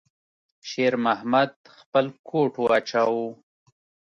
شېرمحمد خپل کوټ واچاوه.